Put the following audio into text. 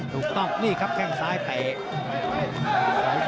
ถูกต้องนี่ครับแข่งสายต๋า